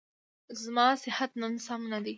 زما صحت نن سم نه دی.